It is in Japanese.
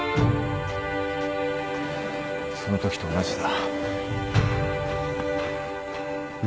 そのときと同じだ。